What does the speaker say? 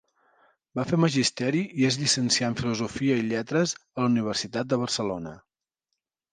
Va fer Magisteri i es llicencià en Filosofia i lletres a la Universitat de Barcelona.